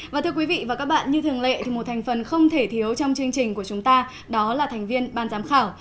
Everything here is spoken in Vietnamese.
và thưa quý vị và các bạn như thường lệ thì một thành phần không thể thiếu trong chương trình của chúng ta đó là thành viên ban giám khảo